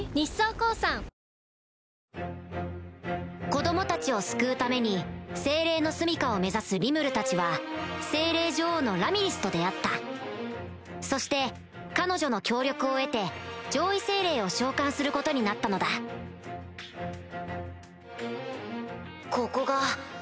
子供たちを救うために精霊の棲家を目指すリムルたちは精霊女王のラミリスと出会ったそして彼女の協力を得て上位精霊を召喚することになったのだここが。